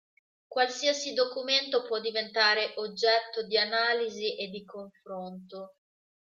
Qualsiasi documento può diventare oggetto di analisi e di confronto.